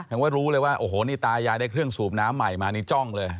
ว่ารู้เลยว่าโอ้โหนี่ตายายได้เครื่องสูบน้ำใหม่มานี่จ้องเลย